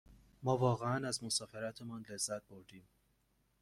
ما واقعاً از مسافرتمان لذت بردیم.